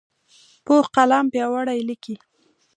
پوخ قلم پیاوړی لیکي